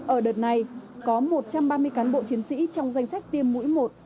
ở đợt này có một trăm ba mươi cán bộ chiến sĩ trong danh sách tiêm mũi một